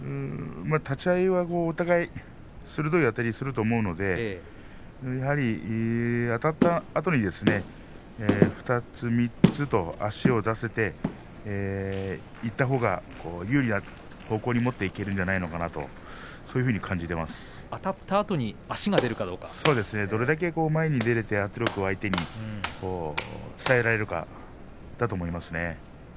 立ち合いはお互いに鋭いあたりをすると思うのでやはり、あたったあとに２つ３つと足を出せていったほうが有利な方向に持っていけるんじゃないかとあたったあとにどれだけ前に出られて圧力を相手に伝えられるかだと思います。